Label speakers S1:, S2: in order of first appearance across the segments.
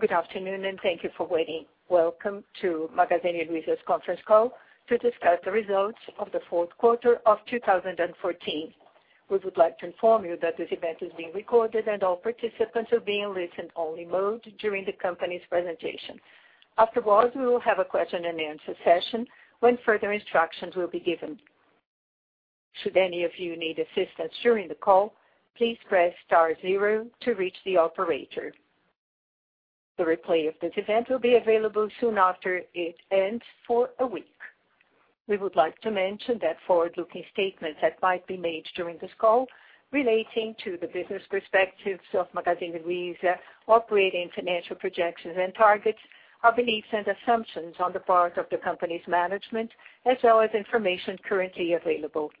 S1: Good afternoon. Thank you for waiting. Welcome to Magazine Luiza's conference call to discuss the results of the fourth quarter of 2014. We would like to inform you that this event is being recorded, and all participants are being in listen-only mode during the company's presentation. Afterwards, we will have a question-and-answer session when further instructions will be given. Should any of you need assistance during the call, please press star zero to reach the operator. The replay of this event will be available soon after it ends for a week. We would like to mention that forward-looking statements that might be made during this call relating to the business perspectives of Magazine Luiza, operating financial projections and targets, our beliefs and assumptions on the part of the company's management, as well as information currently available.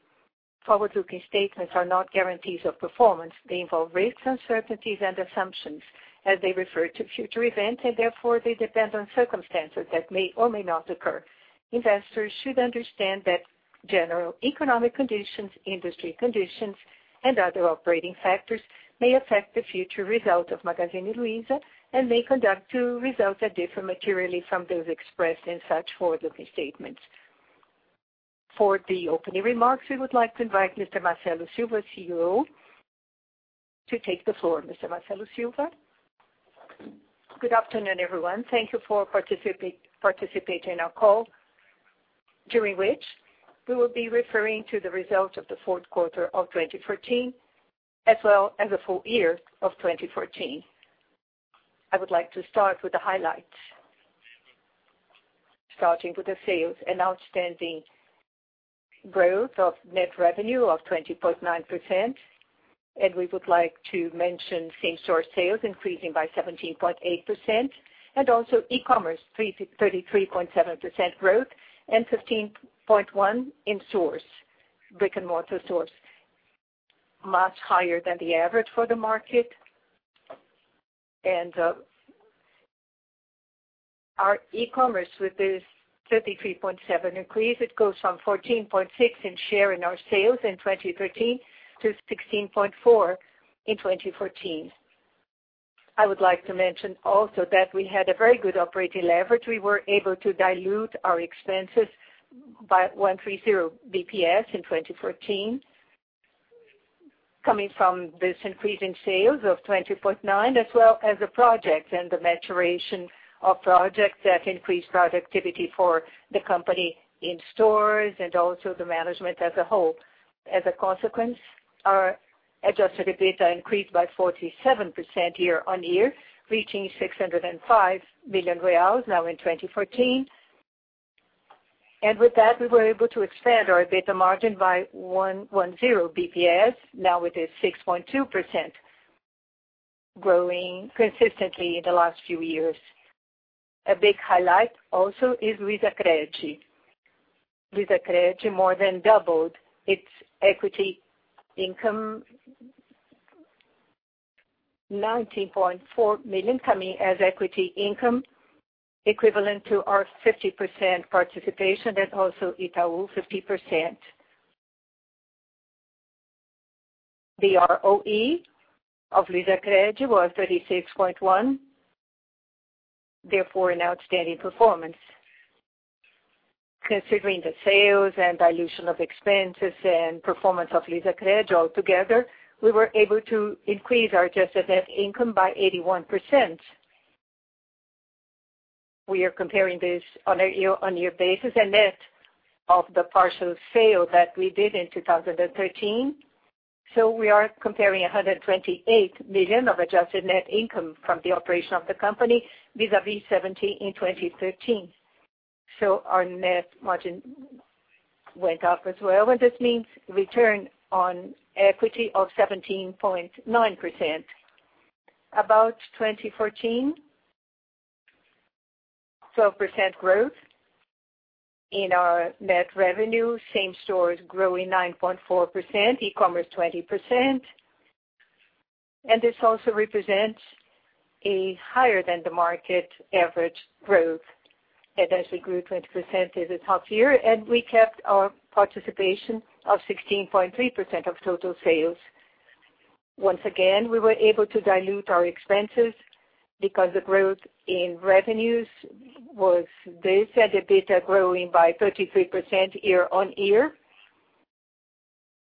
S1: Forward-looking statements are not guarantees of performance. They involve risks, uncertainties, and assumptions as they refer to future events, and therefore, they depend on circumstances that may or may not occur. Investors should understand that general economic conditions, industry conditions, and other operating factors may affect the future results of Magazine Luiza and may conduce to results that differ materially from those expressed in such forward-looking statements. For the opening remarks, we would like to invite Mr. Marcelo Silva, CEO, to take the floor. Mr. Marcelo Silva?
S2: Good afternoon, everyone. Thank you for participating in our call, during which we will be referring to the results of the fourth quarter of 2014, as well as the full year of 2014. I would like to start with the highlights. Starting with the sales, an outstanding growth of net revenue of 20.9%, and we would like to mention same-store sales increasing by 17.8%, and also e-commerce, 33.7% growth and 15.1% in stores, brick-and-mortar stores, much higher than the average for the market. Our e-commerce, with this 33.7% increase, it goes from 14.6% in share in our sales in 2013 to 16.4% in 2014. I would like to mention also that we had a very good operating leverage. We were able to dilute our expenses by 130 basis points in 2014, coming from this increase in sales of 20.9%, as well as the projects and the maturation of projects that increased productivity for the company in stores and also the management as a whole. As a consequence, our adjusted EBITDA increased by 47% year-on-year, reaching 605 million reais now in 2014. With that, we were able to expand our EBITDA margin by 110 basis points. Now it is 6.2%, growing consistently in the last few years. A big highlight also is Luizacred. Luizacred more than doubled its equity income, 19.4 million coming as equity income, equivalent to our 50% participation and also Itaú 50%. The ROE of Luizacred was 36.1%, therefore an outstanding performance. Considering the sales and dilution of expenses and performance of Luizacred all together, we were able to increase our adjusted net income by 81%. We are comparing this on a year-on-year basis and net of the partial sale that we did in 2013. We are comparing 128 million of adjusted net income from the operation of the company vis-a-vis 70 million in 2013. Our net margin went up as well, and this means return on equity of 17.9%. About 2014, 12% growth in our net revenue, same stores growing 9.4%, e-commerce 20%. This also represents a higher-than-the-market average growth. It actually grew 20% in this half year, and we kept our participation of 16.3% of total sales. Once again, we were able to dilute our expenses because the growth in revenues was this, and EBITDA growing by 33% year-on-year,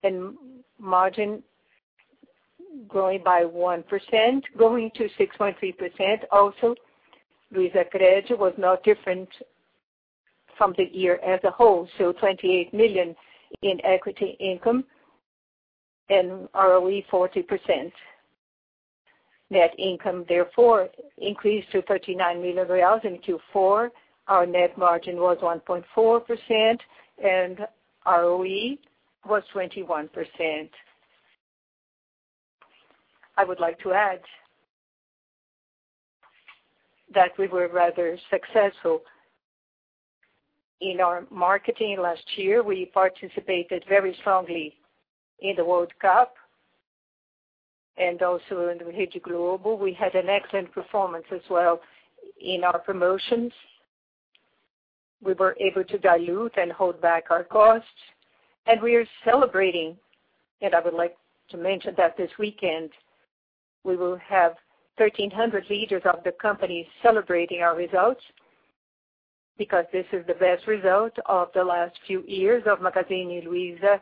S2: and margin growing by 1%, growing to 6.3%. Luizacred was not different from the year as a whole, so 28 million in equity income and ROE 40%. Net income, therefore, increased to 39 million reais in Q4. Our net margin was 1.4%, and ROE was 21%. I would like to add that we were rather successful in our marketing last year. We participated very strongly in the World Cup and also in the Rede Globo. We had an excellent performance as well in our promotions. We were able to dilute and hold back our costs, and we are celebrating. I would like to mention that this weekend we will have 1,300 leaders of the company celebrating our results, because this is the best result of the last few years of Magazine Luiza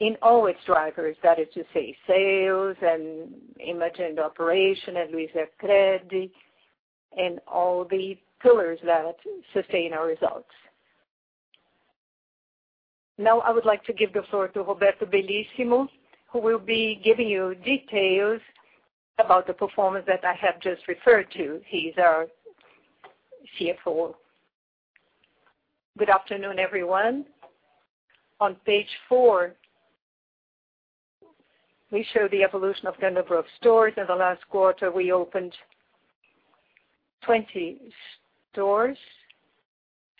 S2: in all its drivers. That is to say, sales and image and operation and Luizacred, and all the pillars that sustain our results. I would like to give the floor to Roberto Bellissimo, who will be giving you details about the performance that I have just referred to. He's our CFO.
S3: Good afternoon, everyone. On page four, we show the evolution of number of stores. In the last quarter, we opened 20 stores,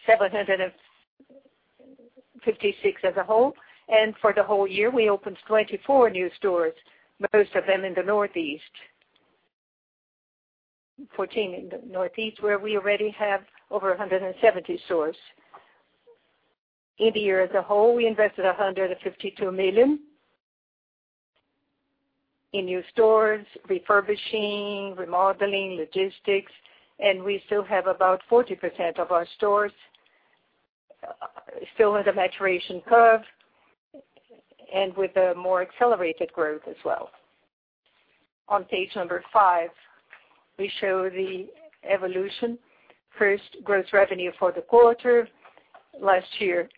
S3: 756 as a whole, and for the whole year, we opened 24 new stores, most of them in the Northeast. 14 in the Northeast, where we already have over 170 stores. In the year as a whole, we invested 152 million in new stores, refurbishing, remodeling, logistics, and we still have about 40% of our stores still in the maturation curve, and with a more accelerated growth as well. On page number five, we show the evolution. First, gross revenue for the quarter. Last year,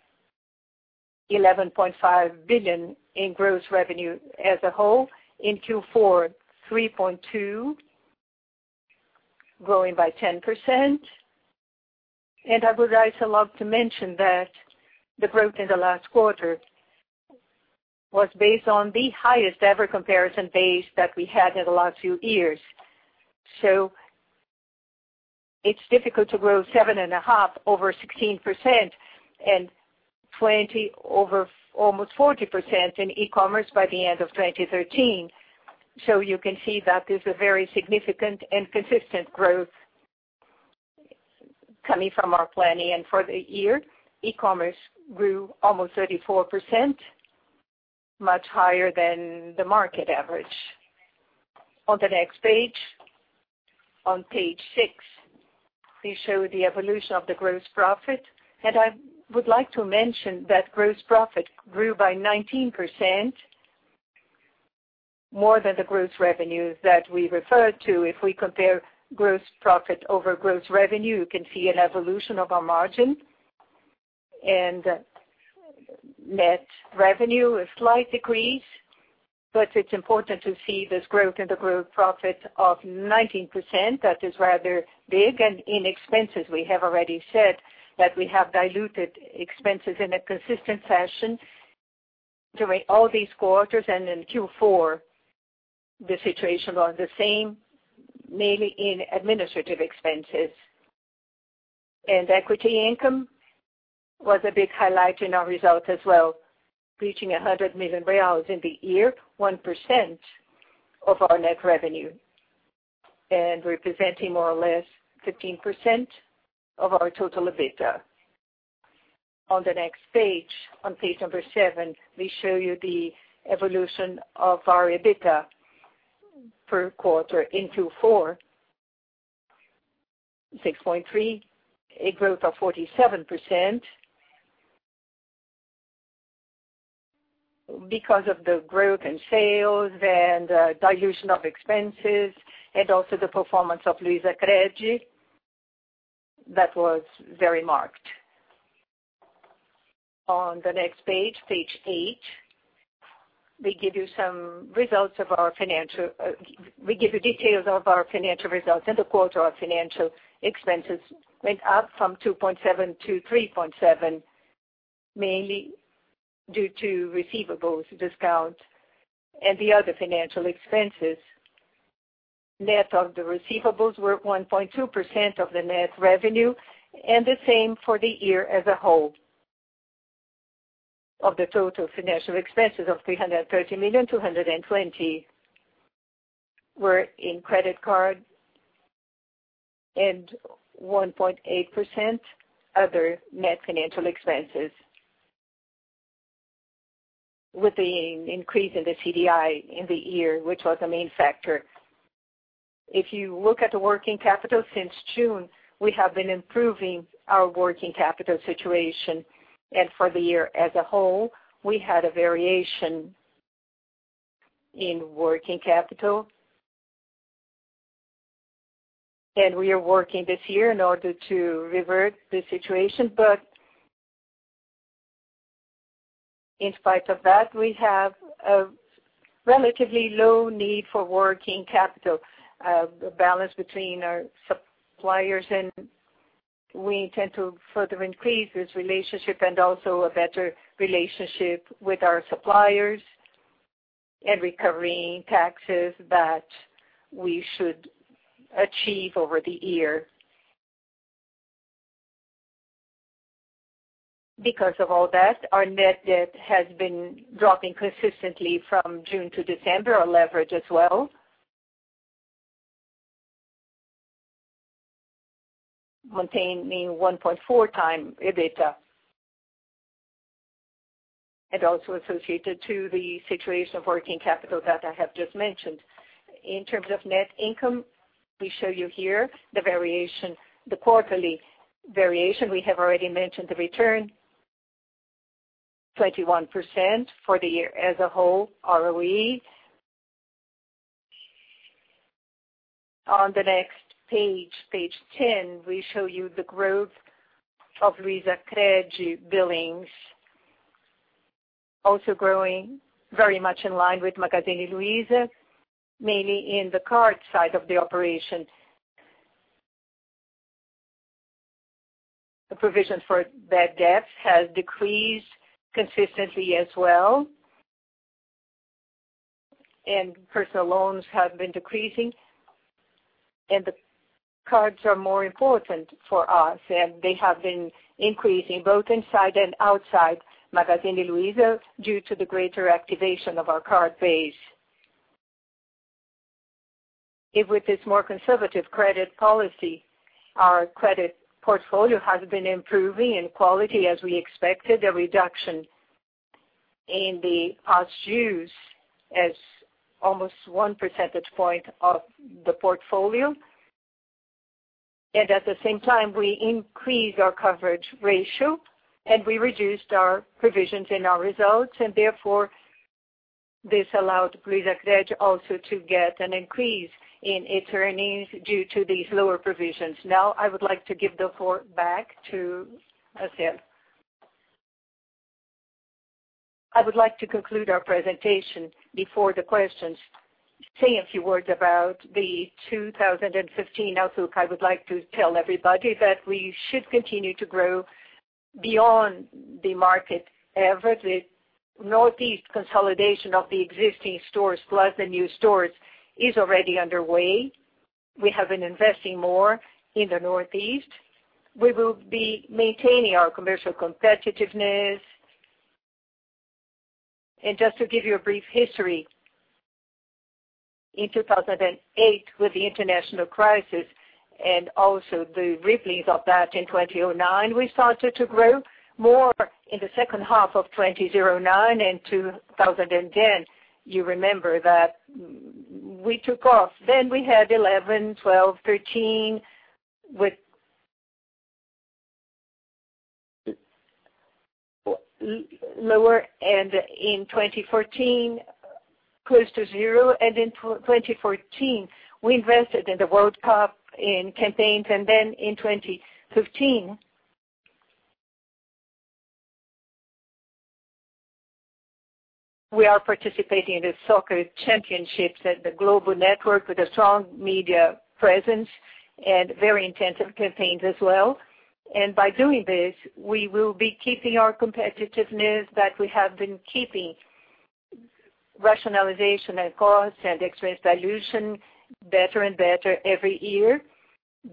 S3: 11.5 billion in gross revenue as a whole. In Q4, 3.2, growing by 10%. I would also love to mention that the growth in the last quarter was based on the highest-ever comparison base that we had in the last few years. It's difficult to grow 7.5% over 16% and 20% over almost 40% in e-commerce by the end of 2013. You can see that is a very significant and consistent growth coming from our planning. For the year, e-commerce grew almost 34%, much higher than the market average. On the next page, on page six, we show the evolution of the gross profit. I would like to mention that gross profit grew by 19%, more than the gross revenues that we referred to. If we compare gross profit over gross revenue, you can see an evolution of our margin. Net revenue, a slight decrease, but it's important to see this growth in the gross profit of 19%. That is rather big. In expenses, we have already said that we have diluted expenses in a consistent fashion during all these quarters. In Q4, the situation was the same, mainly in administrative expenses. Equity income was a big highlight in our results as well, reaching 100 million reais in the year, 1% of our net revenue, and representing more or less 15% of our total EBITDA. On the next page, on page number seven, we show you the evolution of our EBITDA per quarter in Q4. 6.3, a growth of 47% because of the growth in sales and dilution of expenses, and also the performance of Luizacred, that was very marked. On the next page eight, we give you details of our financial results in the quarter. Our financial expenses went up from 2.7% to 3.7%, mainly due to receivables discount and the other financial expenses. Net of the receivables were 1.2% of the net revenue, and the same for the year as a whole. Of the total financial expenses of 330 million, 220 were in credit card and 1.8% other net financial expenses with the increase in the CDI in the year, which was the main factor. You look at the working capital, since June, we have been improving our working capital situation. For the year as a whole, we had a variation in working capital. We are working this year in order to revert the situation, but in spite of that, we have a relatively low need for working capital, a balance between our suppliers, and we intend to further increase this relationship and also a better relationship with our suppliers and recovering taxes that we should achieve over the year. Because of all that, our net debt has been dropping consistently from June to December, our leverage as well, maintaining 1.4x EBITDA, and also associated to the situation of working capital that I have just mentioned. In terms of net income, we show you here the quarterly variation. We have already mentioned the return, 21% for the year as a whole, ROE. On the next page 10, we show you the growth of Luizacred billings. Also growing very much in line with Magazine Luiza, mainly in the card side of the operation. The provision for bad debts has decreased consistently as well, and personal loans have been decreasing, and the cards are more important for us, and they have been increasing both inside and outside Magazine Luiza due to the greater activation of our card base. With this more conservative credit policy, our credit portfolio has been improving in quality as we expected, a reduction in the past dues as almost one percentage point of the portfolio. At the same time, we increased our coverage ratio, we reduced our provisions in our results, therefore, this allowed Luizacred also to get an increase in its earnings due to these lower provisions. Now, I would like to give the floor back to Marcelo.
S2: I would like to conclude our presentation before the questions, say a few words about the 2015 outlook. I would like to tell everybody that we should continue to grow beyond the market average. Northeast consolidation of the existing stores plus the new stores is already underway. We have been investing more in the Northeast. We will be maintaining our commercial competitiveness. Just to give you a brief history, in 2008, with the international crisis and also the ripplings of that in 2009, we started to grow more in the second half of 2009 and 2010. You remember that we took off. Then we had 2011, 2012, 2013, with lower, and in 2014 close to zero. In 2014, we invested in the World Cup in campaigns. Then in 2015, we are participating in the soccer championships at the Globo network with a strong media presence and very intensive campaigns as well. By doing this, we will be keeping our competitiveness that we have been keeping. Rationalization and costs and expense dilution better and better every year,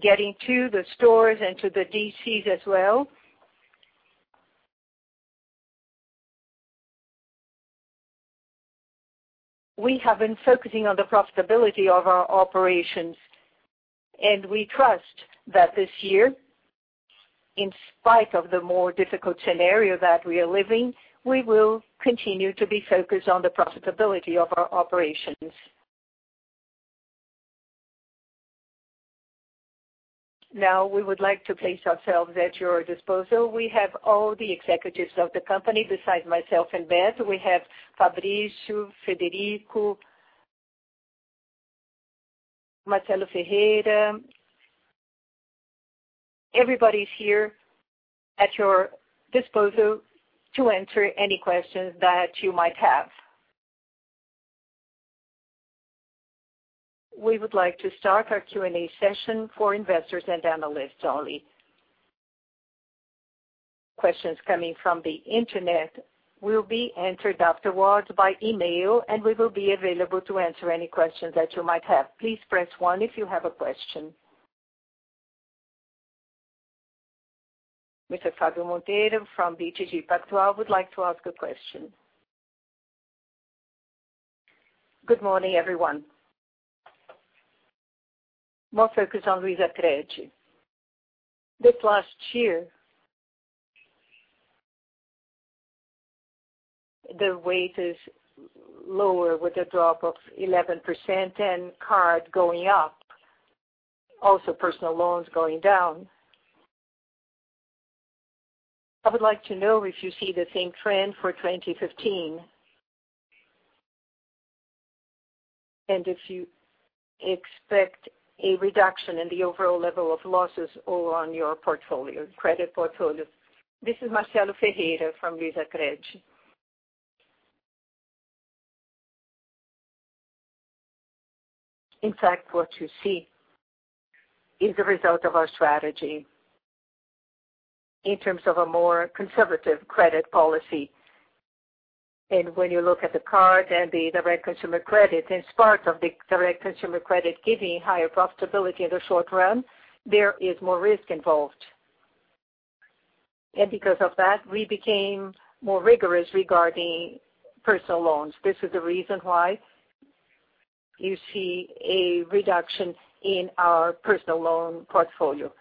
S2: getting to the stores and to the DCs as well. We have been focusing on the profitability of our operations, and we trust that this year, in spite of the more difficult scenario that we are living, we will continue to be focused on the profitability of our operations. Now, we would like to place ourselves at your disposal. We have all the executives of the company. Besides myself and Ben, we have Fabrício, Frederico, Marcelo Ferreira. Everybody's here at your disposal to answer any questions that you might have. We would like to start our Q&A session for investors and analysts only. Questions coming from the Internet will be answered afterwards by email, and we will be available to answer any questions that you might have. Please press one if you have a question. Mr. Fábio Monteiro from BTG Pactual would like to ask a question. Good morning, everyone. More focus on LuizaCred.
S4: This last year, the rate is lower with a drop of 11% and card going up, also personal loans going down. I would like to know if you see the same trend for 2015, and if you expect a reduction in the overall level of losses on your credit portfolio.
S5: This is Marcelo Ferreira from LuizaCred. In fact, what you see is a result of our strategy in terms of a more conservative credit policy. When you look at the card and the direct consumer credit, in spite of the direct consumer credit giving higher profitability in the short run, there is more risk involved. Because of that, we became more rigorous regarding personal loans. This is the reason why you see a reduction in our personal loan portfolio.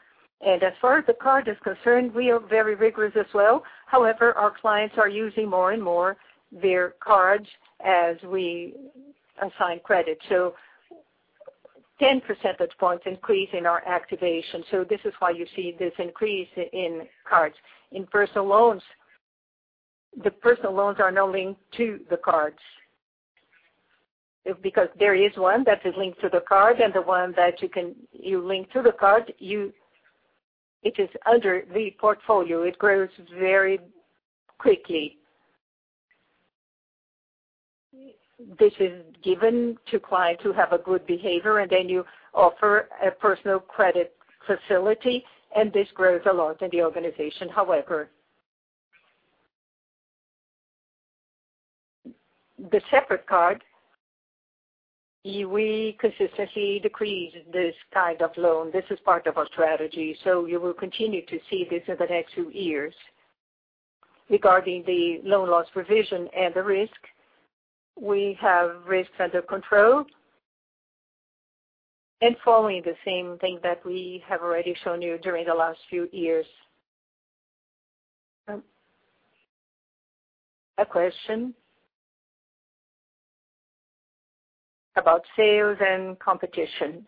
S5: As far as the card is concerned, we are very rigorous as well. However, our clients are using more and more their cards as we assign credit. 10 percentage points increase in our activation. This is why you see this increase in cards. In personal loans, the personal loans are now linked to the cards. There is one that is linked to the card, and the one that you link to the card, it is under the portfolio. It grows very quickly. This is given to clients who have a good behavior, and then you offer a personal credit facility, and this grows a lot in the organization. However, the separate card, we consistently decrease this kind of loan. This is part of our strategy. You will continue to see this in the next two years. Regarding the loan loss provision and the risk, we have risk under control.
S4: Following the same thing that we have already shown you during the last few years. A question about sales and competition.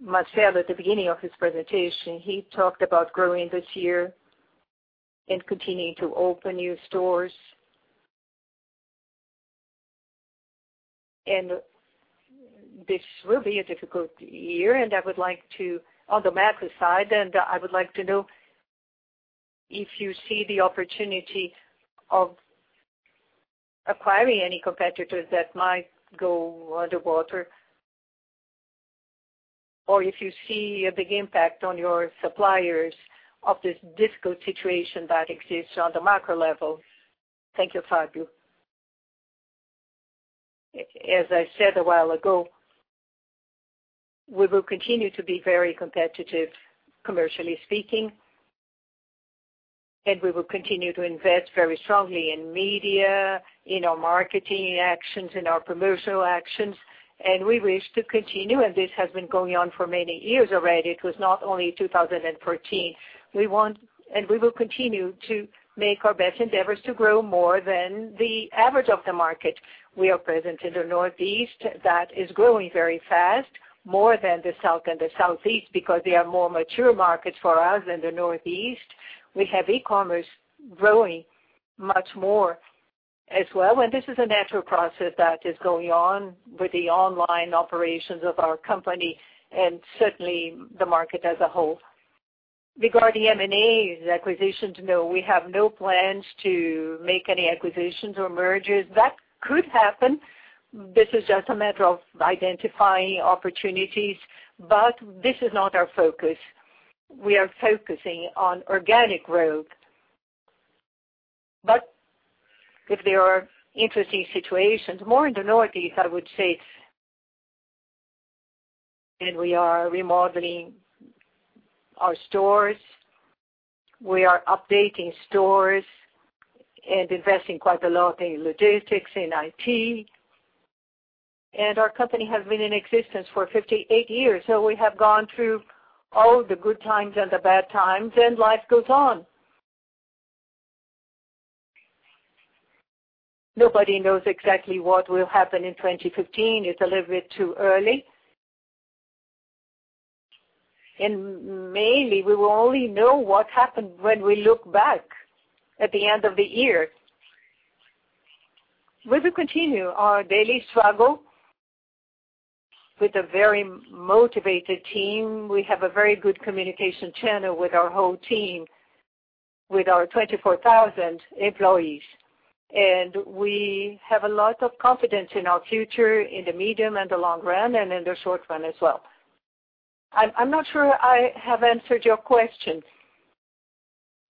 S4: Marcelo, at the beginning of his presentation, he talked about growing this year and continuing to open new stores. This will be a difficult year, on the macro side, and I would like to know if you see the opportunity of acquiring any competitors that might go underwater. If you see a big impact on your suppliers of this difficult situation that exists on the macro level.
S2: Thank you, Fabio. As I said a while ago, we will continue to be very competitive, commercially speaking. We will continue to invest very strongly in media, in our marketing actions, in our promotional actions, and we wish to continue, and this has been going on for many years already. It was not only 2014. We will continue to make our best endeavors to grow more than the average of the market. We are present in the Northeast. That is growing very fast, more than the South and the Southeast, because they are more mature markets for us than the Northeast. We have e-commerce growing much more as well, and this is a natural process that is going on with the online operations of our company and certainly the market as a whole. Regarding M&As, acquisitions, no. We have no plans to make any acquisitions or mergers. That could happen. This is just a matter of identifying opportunities, but this is not our focus. We are focusing on organic growth. If there are interesting situations, more in the Northeast, I would say, and we are remodeling our stores. We are updating stores and investing quite a lot in logistics, in IT. Our company has been in existence for 58 years. We have gone through all the good times and the bad times, and life goes on. Nobody knows exactly what will happen in 2015. It's a little bit too early. Mainly, we will only know what happened when we look back at the end of the year. We will continue our daily struggle with a very motivated team. We have a very good communication channel with our whole team, with our 24,000 employees. We have a lot of confidence in our future, in the medium and the long run, and in the short run as well. I'm not sure I have answered your question,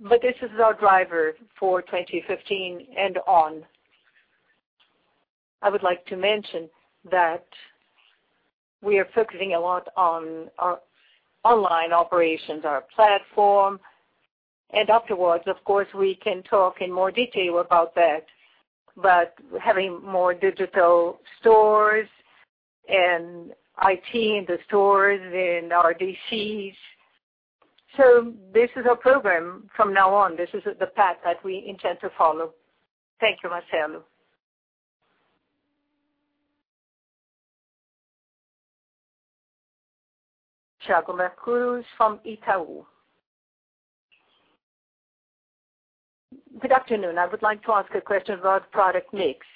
S2: but this is our driver for 2015 and on. I would like to mention that we are focusing a lot on our online operations, our platform. Afterwards, of course, we can talk in more detail about that, but having more digital stores and IT in the stores and our DCs. This is our program from now on. This is the path that we intend to follow.
S6: Thank you, Marcelo. Thiago Macruz from Itaú. Good afternoon. I would like to ask a question about product mix.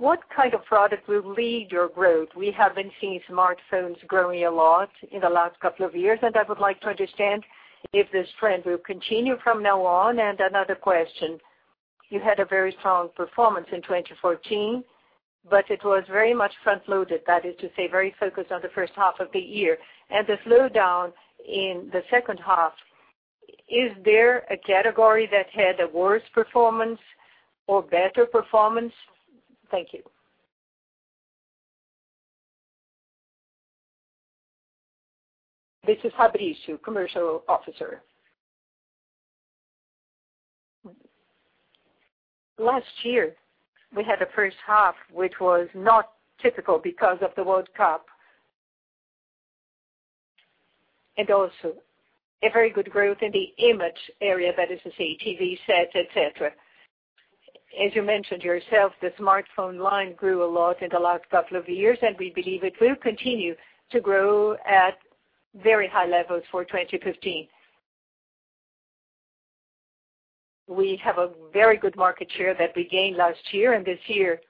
S6: What kind of product will lead your growth? We have been seeing smartphones growing a lot in the last couple of years, and I would like to understand if this trend will continue from now on. Another question You had a very strong performance in 2014, but it was very much front-loaded. That is to say, very focused on the first half of the year, and the slowdown in the second half. Is there a category that had a worse performance or better performance? Thank you.
S7: This is Fabrício, Commercial Officer. Last year, we had a first half, which was not typical because of the World Cup, and also a very good growth in the image area, that is to say, TV sets, et cetera. As you mentioned yourself, the smartphone line grew a lot in the last couple of years, and we believe it will continue to grow at very high levels for 2015. We have a very good market share that we gained last year, and this year,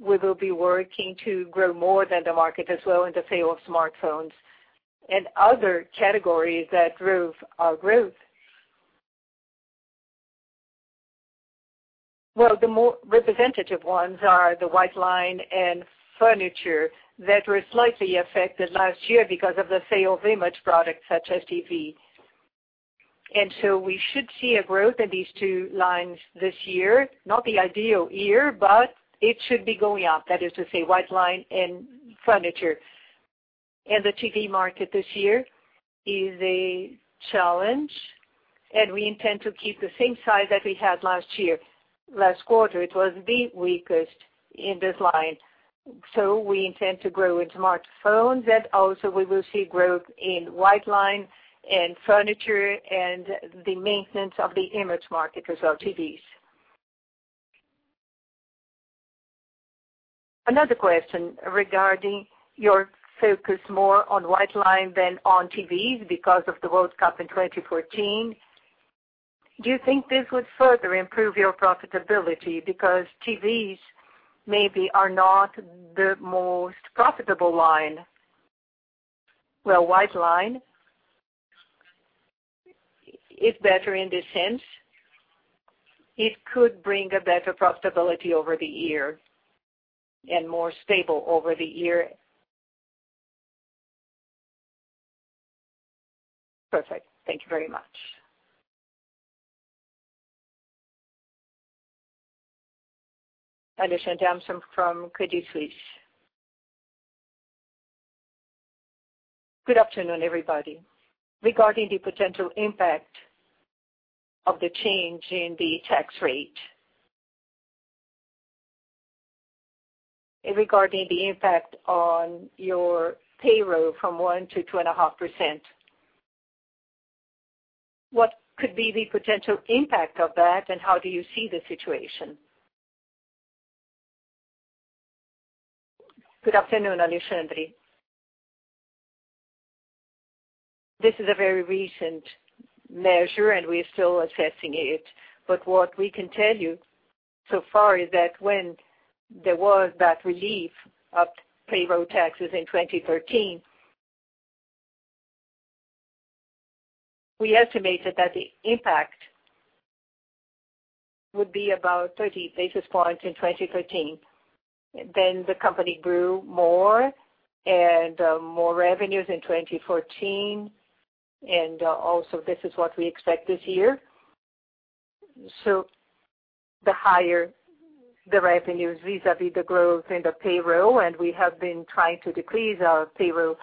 S7: we will be working to grow more than the market as well in the sale of smartphones and other categories that drove our growth. Well, the more representative ones are the white line and furniture that were slightly affected last year because of the sale of image products such as TVs. We should see a growth in these two lines this year, not the ideal year, but it should be going up. That is to say, white line and furniture. The TV market this year is a challenge, and we intend to keep the same size that we had last year. Last quarter, it was the weakest in this line. We intend to grow in smartphones, and also we will see growth in white line and furniture and the maintenance of the image market as well, TVs. Another question regarding your focus more on white line than on TVs because of the World Cup in 2014. Do you think this would further improve your profitability because TVs maybe are not the most profitable line? Well, white line is better in the sense it could bring a better profitability over the year and more stable over the year.
S3: Perfect. Thank you very much.
S8: Alexandre from Credit Suisse. Good afternoon, everybody. Regarding the potential impact of the change in the tax rate. Regarding the impact on your payroll from 1% to 2.5%, what could be the potential impact of that, and how do you see the situation? Good afternoon, Alexandre. This is a very recent measure, and we are still assessing it. What we can tell you so far is that when there was that relief of payroll taxes in 2013, we estimated that the impact would be about 30 basis points in 2013. The company grew more and more revenues in 2014. This is what we expect this year. The higher the revenues vis-à-vis the growth in the payroll, and we have been trying to decrease our payroll,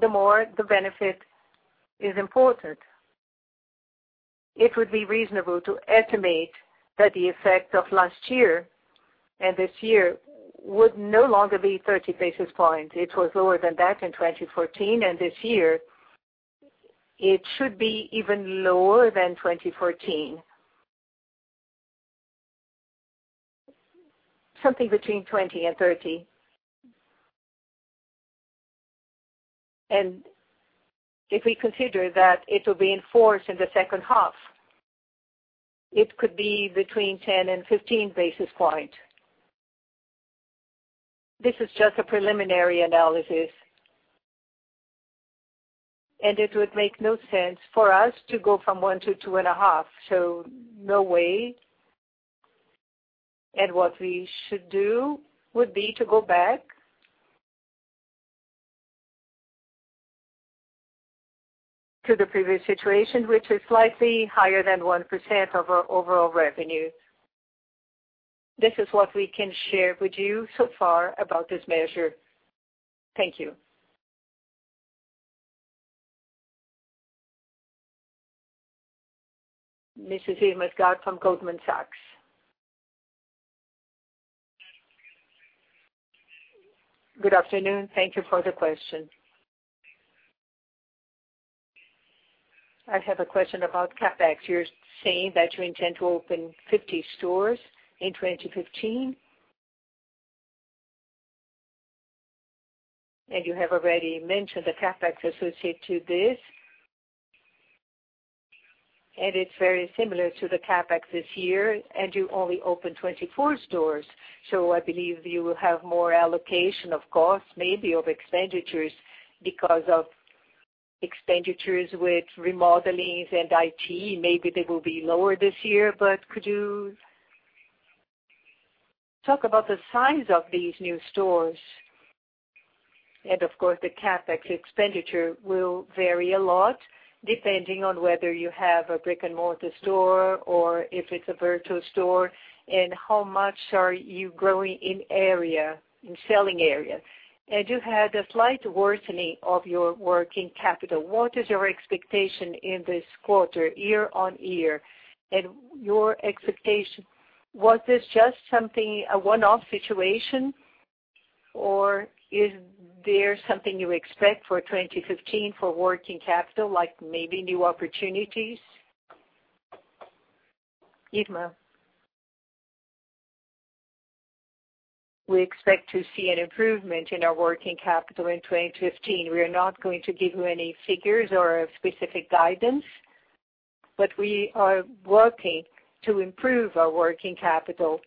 S8: the more the benefit is important.
S3: It would be reasonable to estimate that the effect of last year and this year would no longer be 30 basis points. It was lower than that in 2014, and this year, it should be even lower than 2014. Something between 20 and 30. If we consider that it will be enforced in the second half, it could be between 10 and 15 basis points. This is just a preliminary analysis. It would make no sense for us to go from 1% to 2.5%, so no way. What we should do would be to go back to the previous situation, which is slightly higher than 1% of our overall revenue. This is what we can share with you so far about this measure. Thank you. Mrs. Irma Sgarz from Goldman Sachs.
S9: Good afternoon. Thank you for the question. I have a question about CapEx. You're saying that you intend to open 50 stores in 2015. You have already mentioned the CapEx associated to this. It's very similar to the CapEx this year. You only opened 24 stores. I believe you will have more allocation, of course, maybe of expenditures because of expenditures with remodelings and IT. Maybe they will be lower this year. Could you talk about the size of these new stores? Of course, the CapEx expenditure will vary a lot depending on whether you have a brick-and-mortar store or if it's a virtual store. How much are you growing in selling area? You had a slight worsening of your working capital. What is your expectation in this quarter, year-on-year?
S3: Your expectation, was this just something, a one-off situation, or is there something you expect for 2015 for working capital, like maybe new opportunities? Irma. We expect to see an improvement in our working capital in 2015. We are not going to give you any figures or a specific guidance. We are working to improve our working capital.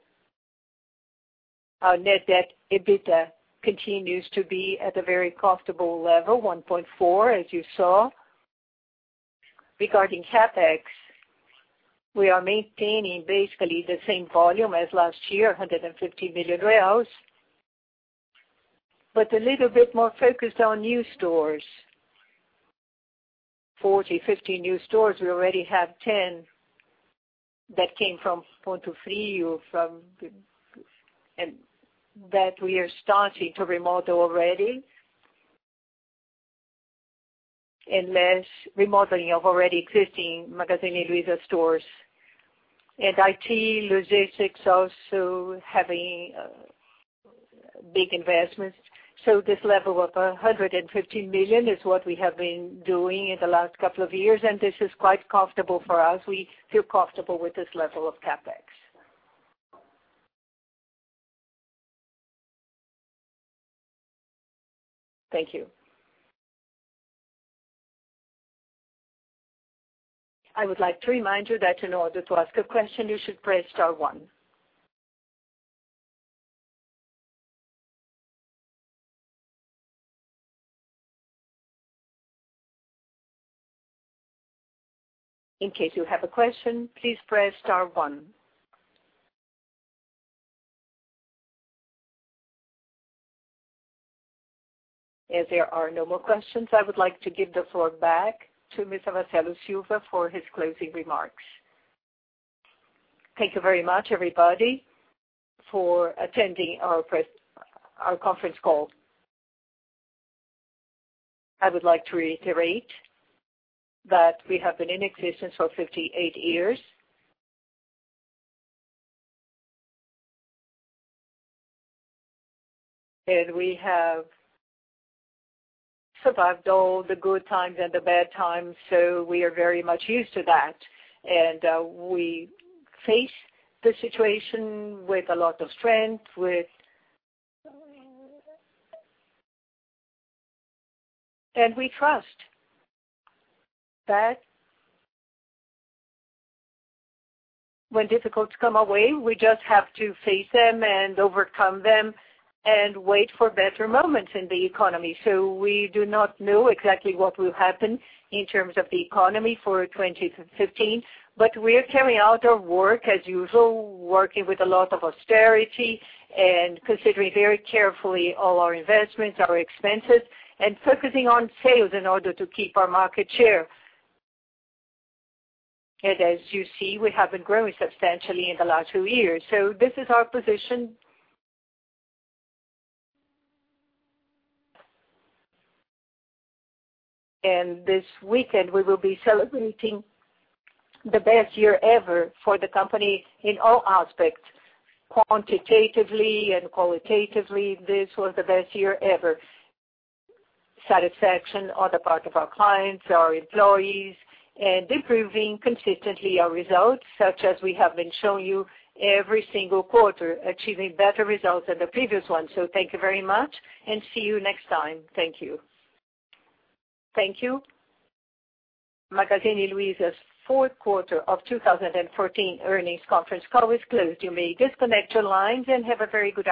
S3: Our net debt EBITDA continues to be at a very comfortable level, 1.4, as you saw. Regarding CapEx, we are maintaining basically the same volume as last year, 150 million. A little bit more focused on new stores. 40, 50 new stores. We already have 10 that came from Pontofrio, that we are starting to remodel already. Less remodeling of already existing Magazine Luiza stores. IT, logistics also having big investments. This level of 115 million is what we have been doing in the last couple of years. This is quite comfortable for us. We feel comfortable with this level of CapEx.
S1: Thank you. I would like to remind you that in order to ask a question, you should press star one. In case you have a question, please press star one. There are no more questions. I would like to give the floor back to Mr. Marcelo Silva for his closing remarks.
S2: Thank you very much, everybody, for attending our conference call. I would like to reiterate that we have been in existence for 58 years. We have survived all the good times and the bad times. We are very much used to that. We face the situation with a lot of strength. We trust that when difficulties come our way, we just have to face them and overcome them and wait for better moments in the economy. We do not know exactly what will happen in terms of the economy for 2015. We are carrying out our work as usual, working with a lot of austerity, considering very carefully all our investments, our expenses, and focusing on sales in order to keep our market share. As you see, we have been growing substantially in the last two years. This is our position. This weekend, we will be celebrating the best year ever for the company in all aspects, quantitatively and qualitatively, this was the best year ever. Satisfaction on the part of our clients, our employees, and improving consistently our results, such as we have been showing you every single quarter, achieving better results than the previous one. Thank you very much and see you next time. Thank you.
S1: Thank you. Magazine Luiza's fourth quarter of 2014 earnings conference call is closed. You may disconnect your lines and have a very good afternoon